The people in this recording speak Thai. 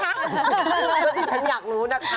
เดี๋ยวที่ฉันอยากรู้นะคะ